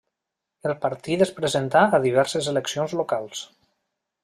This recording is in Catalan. El partit es presentà a diverses eleccions locals.